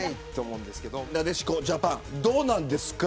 なでしこジャパンどうなんですか。